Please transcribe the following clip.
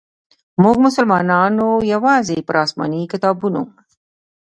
موږ مسلمانانو یوازي پر اسماني کتابونو.